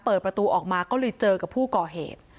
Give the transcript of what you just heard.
เปิดประตูออกมาก็เลยเจอกับผู้ก่อเหตุ